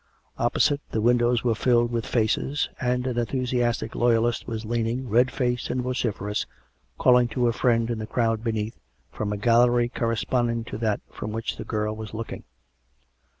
Opposite, the windows were filled with faces, and an entlmsiastic loyalist was leaning, red faced and vociferous, calling to a friend in the crowd be neath, from a gallery corresponding to that from which the girl was looking.